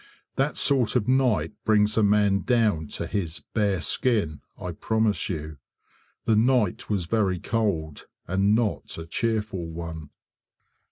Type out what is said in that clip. That sort of night brings a man down to his "bare skin", I promise you. The night was very cold, and not a cheerful one.